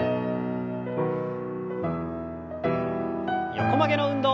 横曲げの運動。